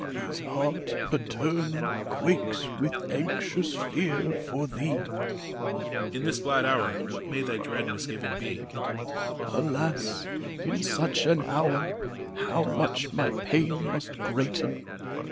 His heart paternal quakes with anxious fear for thee. EMPEROR. In this glad hour what may thy dread misgiving bet ARCHBISHOP. Alas, in such an hour, how much my pain must greaten.